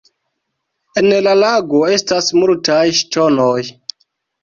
En la lago estas multaj ŝtonoj.